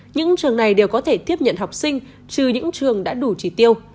những trường này đều có thể tiếp nhận học sinh trừ những trường đã đủ trì tiêu